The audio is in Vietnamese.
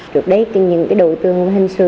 trước đây những đội tường hình sự